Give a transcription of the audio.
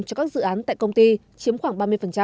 cho các dự án tại công ty chiếm khoảng ba mươi